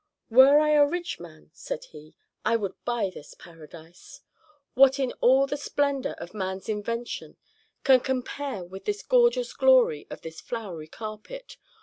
"Were I a rich man," said he, "I would buy this paradise. What in all the splendor of man's invention can compare with the gorgeous glory of this flowery carpet?